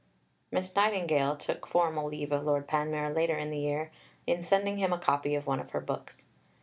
Miss Nightingale took formal leave of Lord Panmure later in the year, in sending him a copy of one of her books.